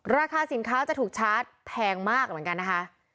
ราคาสินค้าจะถูกชาร์จแพงมากเหมือนกันนะคะ